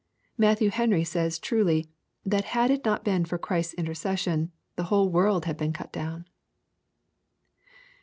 Matthew Henry says truly, " that had it not been for Christ's intercession, the whole world had been cut down."